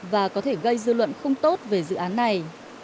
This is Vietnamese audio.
và có thể gây dư luận không tốt về dự án này